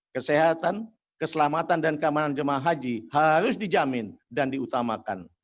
kesehatan keselamatan dan keamanan jemaah haji harus dijamin dan diutamakan